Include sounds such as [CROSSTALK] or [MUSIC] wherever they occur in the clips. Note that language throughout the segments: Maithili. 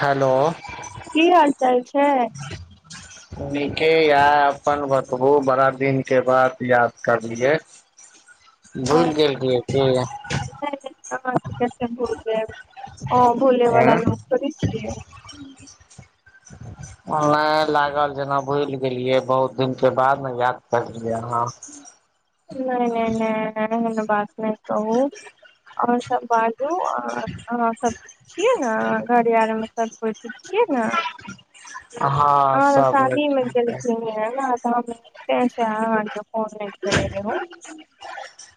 हेलो की हाल चाल छै निकेे य अपन बतबू बड़ा दिन के बाद याद करलियै [INAUDIBLE] भुलि गेल रहियै कि [UNINTELLIGIBLE] भोले आँय वाला लोग थोड़ी छियै [UNINTELLIGIBLE] तऽ लाग लागल जेना भुलि गेलियै बहुत दिन के बाद ने याद करलियै अहाँ नय नय नय कोनो बात नय कहू आओर सब बाजू आंहा सब छियै न घरे आर मे सभ कोई ठीक छियै न हँ आब सब सादी मे नीक गेलखिन हें न तब बुझते आहां आर के फोन नय करै के है [UNINTELLIGIBLE]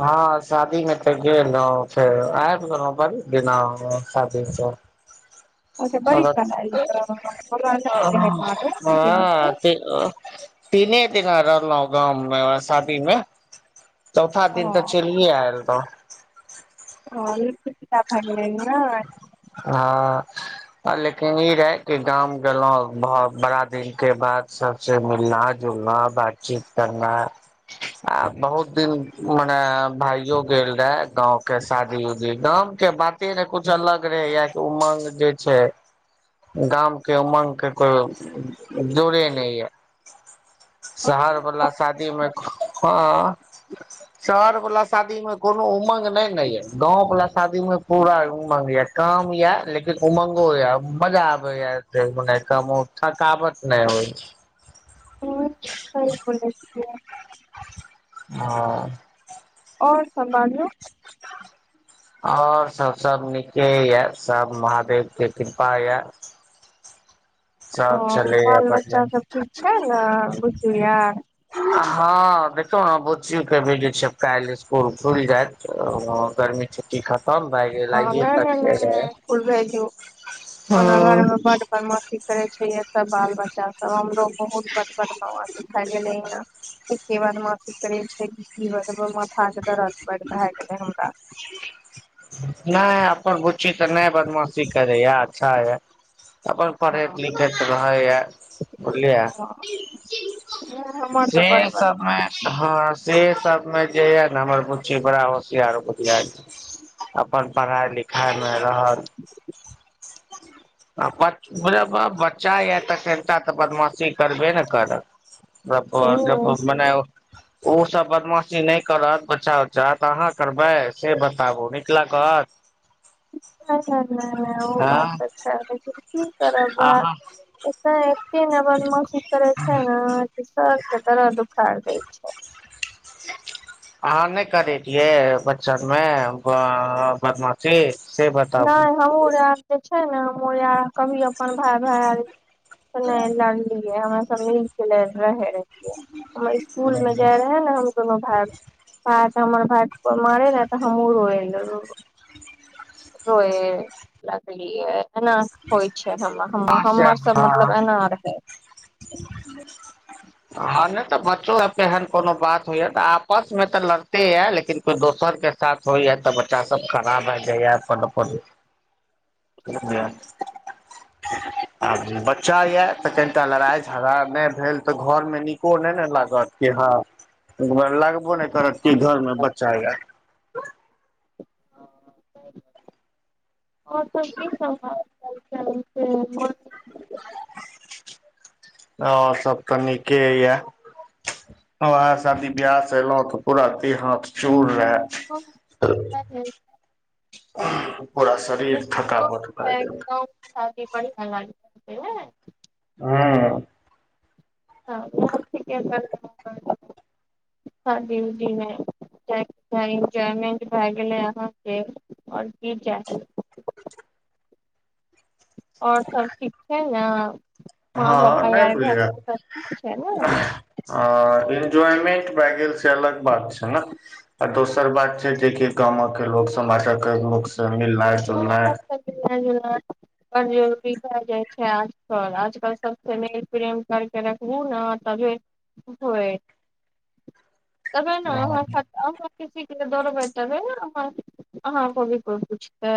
हँ शादी मे तऽ गेल रहौं फेर आयब गेलौं बरी दिना शादी स अच्छा बड़ी काल ऐल य हमरा नय रहै मालूम जे हँ ऐतै तीने दिना रहलहु गाम मे शादी मे चौथा दिन तऽ हँ चलिये आयल रहूँ [UNINTELLIGIBLE] हँ हँ लेकिन ई रहे डी गाम गेलहुँ बड़ा दिन केँ बाद सब से मिलना जुलना बातचीत करनाइ आ बहुत दिन मने भाइयो गेल रहै गाँंव केँ शादी उदी गाम केँ बाते जे कुछ अलग रहे या उमंग जे छै गाम केँ उमंग केँ कोइ जोरे नइ य शहर वला शादी ने मऽ हँ शहर वला शादी मऽ कोनो उमंग नैय नऽ यऽ गाँव वला शादी मे पूरा उमंग यऽ काम यऽ लेकिन उमंगो यऽ मजा आबै य जे माने कामो थकावट नय होइ छै हँ [UNINTELLIGIBLE] बोलै छियै हँ आओर सब बाजू आओर सब सब नीके यऽ सब महादेव केँ कृपा यऽ ओ चलैये बाल बढ़िया बच्चा सब ठीक छै नऽ बुच्ची यर हँ देखो नऽ बुच्ची कऽ भी जे छै अब काइल इसकुल खुइल जैत ओ गर्मी छुट्टी ख म भए गेल हँ आइये नय - तक नय, के नय - रहे नय इसकुल भेजू ओना घर हँ मे बड बदमा सी करे छै एतऽ बाल बच्चा सब हमरो बहुत बद बदमासी काइल एलै नऽ एते बादमासी करै छै की [UNINTELLIGIBLE] माथा केँ दर्द बड भए गेले हमरा नय अपन बुच्ची तऽ नय बदमाशी करै यऽ अच्छा यऽ अपन पढ़ैत हँ लिखैत रहैय बुझलियै हुँ हमर तऽ बड्ड ब सब मे हँ से सब मे जे य नऽ हमर बुच्ची बड़ा होशियार बुधिया यऽ अपन पढ़ाई लिखाइ मे रहल [UNINTELLIGIBLE] बच्चा यऽ तऽ कनिटा तऽ बदमाशी करबे ने करत हूँ [UNINTELLIGIBLE] [INAUDIBLE] उ सब बदमाशी नय करत बच्चा उच्चा तऽ अहाँ करबै से बताबु निक लगत नय - नय, नय - नय ओ हँ बात तऽ छै लेकिन की करब [UNINTELLIGIBLE] अहाँ एते एते नऽ बदमाशी करे छै नऽ कि सर केँ दरद उखाइड़ देय छै अहाँ नय करै रियै बच्चा मे ब - बदमाशी से नय बताबू हमहूँ रैब तऽ छै नऽ हमहूँ आय कभी अपन भाइ भैयारी से नय लड़लियै हमरा सब मिलके ल रहे रही हमर इसकुल मे जे रहेै नऽ हम दू भाइ साथ हमर भाय कऽ कोइ मरे नऽ तऽ हमहु रोए ल रेबइ रोए लगलीयै एना होइ छै हमर हँ - से हमर सब हँ मतलब एना रहै [INAUDIBLE] [INAUDIBLE] हँ नय तऽ बच्चो अब एहन कोनो बात होइय तऽ आपस मे तऽ लड़ते यऽ लेकिन दोसरके साथ होइए तऽ बच्चा सब खड़ा भए जाइया अपन अपन [INAUDIBLE] बुझलियाय आ बच्चा य तऽ कनिटा लड़ाइ हजार नै भेल तऽ घर मे नीको नै ने लागत कि हँ त घर लागबो नै करत कि घरमे बच्चा य सबके समहार [INAUDIBLE] अ सब तऽ नीके यए वह शादी ब्याह स एलहु तऽ पूरा देह हाथ चूर हाँ, रहए पता नहीं, पूरा शरीर थकावट भए गेल ी प [UNINTELLIGIBLE] हूँ ह जीवी [UNINTELLIGIBLE] इन्जॉयमेंट भए गेलै अहाँ के और की जा [UNINTELLIGIBLE] आओर सब ठीक छै ने माँ पापा हँ नहि आर घरमे सब ठीक छै ने हँ एन्ज्वयमेंट भए गेल छै अलग बात छै न आ दोसर बात छै कि गामव के लोक समाचक लोक स मिलनाय नहि सब [UNINTELLIGIBLE] ओ जरूरी भए जाइ छै आजकल आजकल सबसे मेल प्रेम करके रख [UNINTELLIGIBLE] ओ ने तब होय तबे हँ ने खर [UNINTELLIGIBLE] अहाँ किसी के दौड़बै [UNINTELLIGIBLE] अहाँ को भी कोइ पूछतै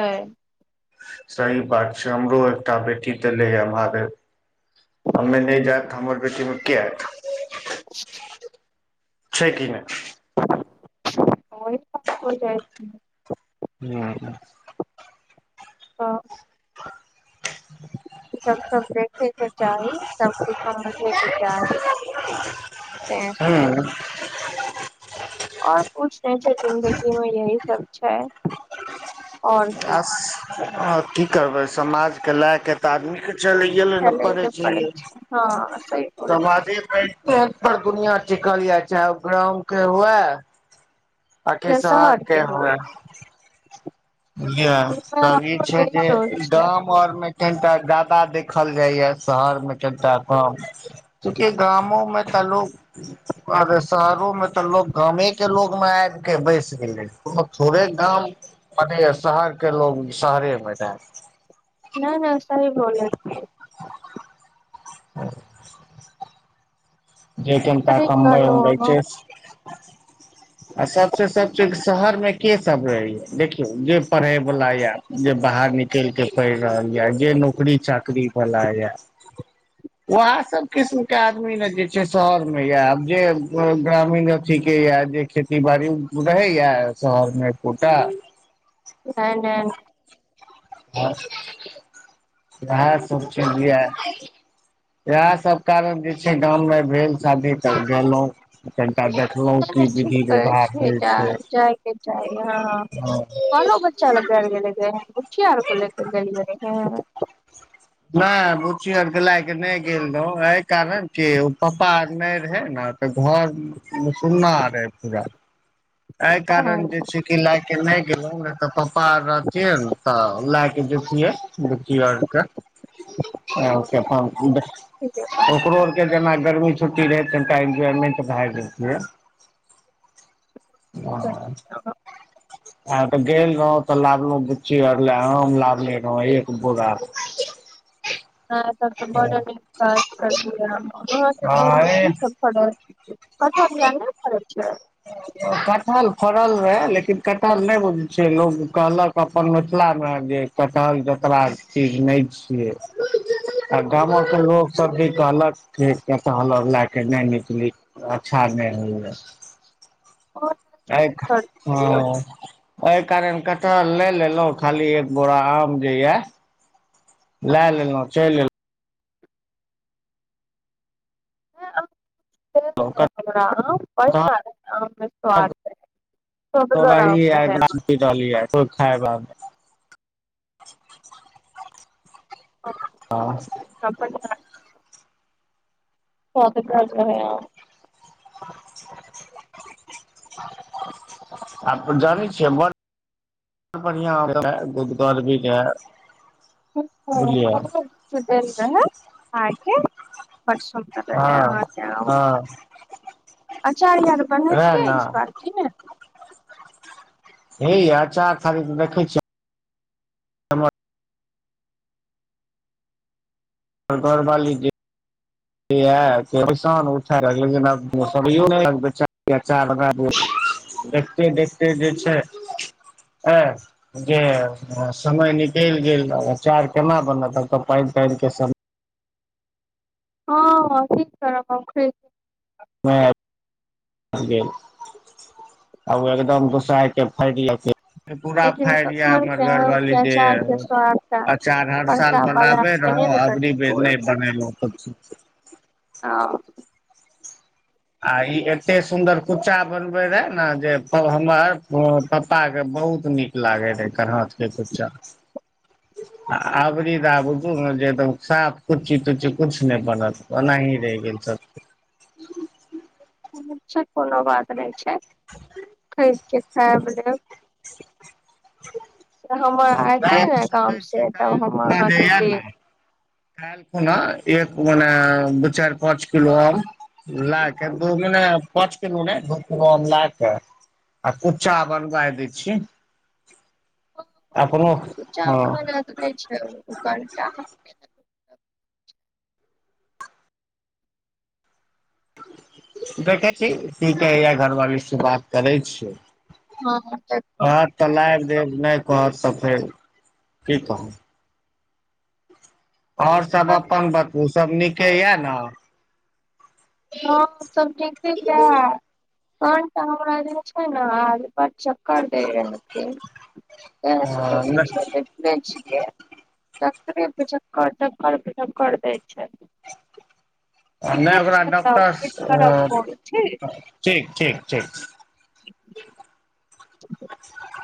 सही बात छै हमरो एकटा बेटी देलैया एमहर हममे नै जाएत हमर बेटी मे के आएत [INAUDIBLE] छै कि नै ओइ जाइ छी [UNINTELLIGIBLE] हू [UNINTELLIGIBLE] हँ [INAUDIBLE] सब सब देखै के चाही सबकुछ समझै के चाही तँ छै ह आओर कुछ नै छै जिंन्दगी मे यही सब छै और की आस की करबै समाजके लए क तऽ आदमीके चलिये लए नै चले परै के पड़ै छैयै छै हँ सही बोल समादे पेट पर दुनिया टिकल य चाहे ओ ग्राम के हुए आखि या सहर शहर के हुए हय याँ ओहिमे तब ई हमरो छै यही सोच छै जेदाम गर मे कनिटा जायदा देखल जाइया शहर मे कनिटा कम चुकि गामो मे त लोग अरे शहरोमे तऽ लोग गामेके लोगमे आब के बैस गेलै थोड़े गाम मटे सहर के लोग शहरे मे रह छै न न सही बोलय ह [UNINTELLIGIBLE] जे केनटा सही खमबै कहलौं उमबै अहाँ छै आ सबसे सब चज शहर मे केँ सब रहे या देखियऔ जे पढ़े वाला य जे बाहर निकल कऽ पड़ि रहल यऽ जे नौकरी चाकरीवला यऽ [UNINTELLIGIBLE] वेहै सब किस्म केँ आदमी ने जे छै शहर मे या आब जे ग्रामीण अथी के य जे खेती बाड़ी उऽ रहैया शहरमे ऐकोटा नै नै [UNINTELLIGIBLE] इएह सब कारण जे छै गाँम मे भेल शादी तऽ गेलैं कनिटा देखलौ नहि की नहि ठीक विधि कहै व्यवहार छियै होइ जा छै [INAUDIBLE] ह कालो बच्चा लगल गेले रहें बुच्चियिया आर को लेके गेलिय रहे हें नै बुच्ची आर केँ लायकेँ नै गेल रहौ एहि कारण कऽ ओ पापा आर नै रहे न तऽ घर में सुन्ना रहे पूरा ऐय हँ कारण जे छै की लय केँ नै गेलो ने तऽ पापा आ रहथि ने तऽ लए देखियए बुच्ची आर कऽ हँ ठीके कहलियै। [UNINTELLIGIBLE] जेना गर्मी छुट्टी रहै तनिटा एन्जॉयमेन्ट भए जेतियै नहि [UNINTELLIGIBLE] आ तऽ गेलौ तऽ लाबलो गुच्ची आर लऽ आम लाबनै रहौ एक बोरा आ [UNINTELLIGIBLE] [UNINTELLIGIBLE] कटहल फड़ल रह लेकिन कटहल नै बुझ छै लोग कहलक अपन मिथिला में जे कटहल जतरा कऽ चीज नै छियै [UNINTELLIGIBLE] आ गाम हँ कऽ लोक सब भी कहलक कटहल लए केँ नै निकली अच्छा नै होइ [UNINTELLIGIBLE] [UNINTELLIGIBLE] यै कारण कटहल नै लेलौ खाली एक बोरा आम जे यऽ लै लेलों चैल एलौ रहै हमरा आम बढ़आ एलहुँ रहै आम मे स्वाद रहै सुअदगर आम रहै हँ [UNINTELLIGIBLE] [UNINTELLIGIBLE] [UNINTELLIGIBLE] [UNINTELLIGIBLE] [UNINTELLIGIBLE] [UNINTELLIGIBLE] आब तऽ जानी छियै बड़ बड़ा बढ़िया [UNINTELLIGIBLE] [UNINTELLIGIBLE] बुझलियै बड सुन्दर रहे हँ अहाँकेँ आम हँ अचार वएह ने आर [UNINTELLIGIBLE] हे यै आचार थाली में देखै छिय घौर बाली जे [UNINTELLIGIBLE] देखते देखते जे छै [UNINTELLIGIBLE] जे समय निकैल गेल आचार केना बनतब आब तऽ पाइन ताइन केँ समय हँ [UNINTELLIGIBLE] [UNINTELLIGIBLE] गेल ओ एकदम दोस के फाटि लेके पूरा लेकिन फैरिया घर हमर के आम के घरवाली जे अचार के स्वाद त अचार हर साल बड़का बाजार बनाबे। के नहि हैं ने अी करतै पे कोइ नहि पने हा आई एते सुन्दर कुच्चा बनबे रहे ने जे हमर पप्पा के बहुत नीक लागै रहै एकर हाथ के कुच्चा [INAUDIBLE] अबरीद बुझू ने जे एकद साफ कुच्ची तुच्ची किछु नहि बनल ओनाही रहि गेल सभ अच्छा कोनो बात नय छै [INAUDIBLE] ठीक छय खलेबय हमर वए एयते तऽ ने सोचै गाम छियै से काल तब हम खना अहाँके जेइहैए ने देब कैलऽ खुना एक मने दू चायर पाँच किलो और लाख दू मे पाँच किलो ने दऽ को लाख आ कुच्चा बनवाय दै छि। हँ मे नहि छै कटा। देखै छी कि कहय हे घरवाली से बात करै छियय हा हा एकदम तऽ लायब देब नहि कहत तऽ फेर कि कहब और सभ अपन बतू सभ नीके यै न हँ सभ ठीक ठीक रहै कठ हमरा जे छै ने आज पर चक्कर दैय रहल एय [INAUDIBLE] ते हम सुतल नय ने छीयय बैठल ए छियय तखनएसँ चक्करे फ चक्कर चक्कर भऽ चक्कर दै छै नहि ठीके ओकरा छै तब डॉक्टर फेर करब आ फोन ठीक ठीक ठीक ठीक [INAUDIBLE]